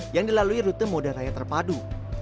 yang dilalui rute moda raya terpadu